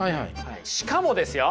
しかもですよ